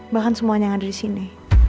bahan semuanya yang ada di sini